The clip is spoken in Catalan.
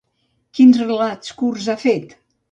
Quins relats curts ha fet?